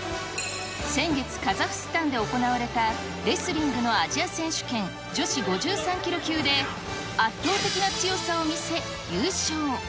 先月、カザフスタンで行われたレスリングのアジア選手権、女子５３キロ級で、圧倒的な強さを見せ、優勝。